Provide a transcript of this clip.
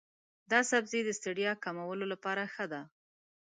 دا سبزی د ستړیا کمولو لپاره ښه دی.